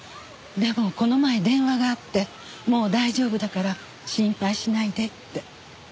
でもこの前電話があってもう大丈夫だから心配しないでって。